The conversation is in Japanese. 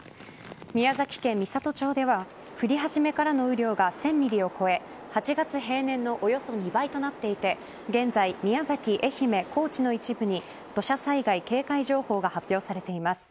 宮崎県美郷町では降り始めからの雨量が１０００ｍｍを超え８月平年のおよそ２倍となっていて現在宮崎、愛媛、高知の一部に土砂災害警戒情報が発表されています。